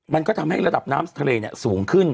มันก็ทำให้ระดับน้ำทะเลสูงขึ้น